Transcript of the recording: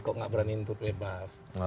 kok nggak berani untuk bebas